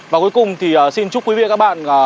và cuối cùng thì xin chúc quý vị và các bạn